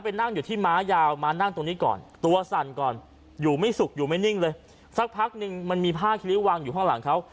นั่งอยู่ที่ม้ายาวม้านั่งตรงนี้ก่อนตัวสั่นก่อนอยู่ไม่สุกอยู่ไม่นิ่งเลยสักพักนึงมันมีผ้าคิริ้ววางอยู่ข้างหลังเขา